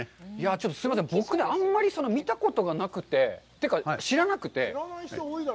ちょっとすいません、僕、あんまり見たことがなくて。というか知らなくて。